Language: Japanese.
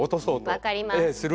分かります。